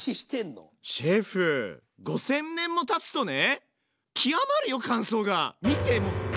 シェフ５，０００年もたつとね極まるよ乾燥が！